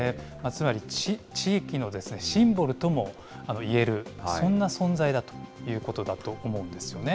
つまり地域のシンボルともいえる、そんな存在だということだと思うんですよね。